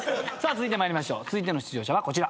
続いての出場者はこちら。